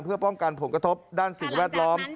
เพื่อป้องกันผลกระทบด้านสิ่งแวดล้อม